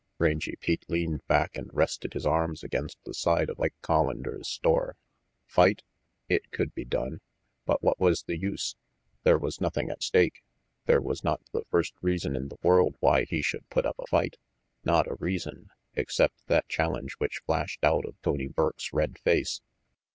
Rangy Pete leaned back and rested his arms against the side of Ike Collander's store. Fight? It could be done. But what was the use? There was nothing at stake. There was not the first reason in the world why he should put up a fight, not a reason, except that challenge which flashed out of Tony Burke's red face.